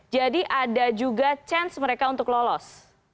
jadi ada juga chance mereka untuk lolos